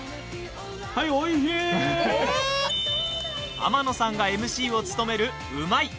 天野さんがＭＣを務める「うまいッ！」。